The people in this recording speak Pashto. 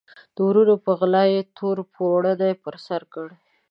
د وروڼو په غلا یې تور پوړنی پر سر کړ.